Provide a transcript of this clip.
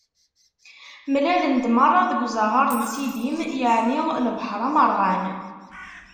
Mlalen-d meṛṛa deg uzaɣar n Sidim, yeɛni lebḥeṛ amerɣan.